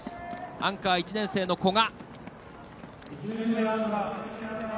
アンカー、１年生の古賀。